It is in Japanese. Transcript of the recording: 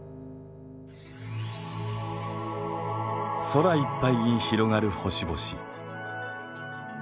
空いっぱいに広がる星々。